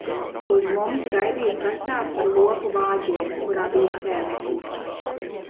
Uz mums gaidīja sastāvs ar lopu vāģiem, kurā bija sēdekļi.